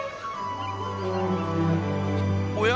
おや？